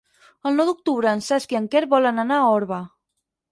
El nou d'octubre en Cesc i en Quer volen anar a Orba.